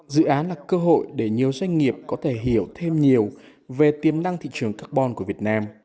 dự án là cơ hội để nhiều doanh nghiệp có thể hiểu thêm nhiều về tiềm năng thị trường carbon của việt nam